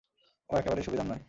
ও একেবারেই সুবিধার নয়।